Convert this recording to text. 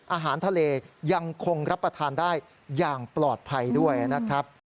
อาหารทะเลยังคงรับประทานได้อย่างปลอดภัยด้วยนะครับ